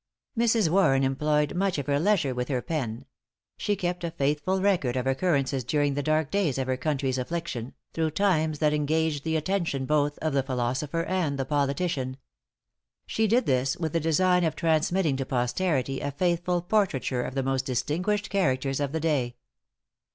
Mrs. Warren employed much of her leisure with her pen. She kept a faithful record of occurrences during the dark days of her country's affliction, through times that engaged the attention both of the philosopher and the politician. She did this with the design of transmitting to posterity a faithful portraiture of the most distinguished characters of the day.